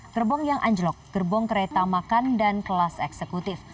gerbong yang anjlok gerbong kereta makan dan kelas eksekutif